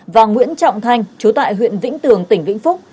và nguyễn trọng thanh chú tại huyện vĩnh tường tỉnh vĩnh phúc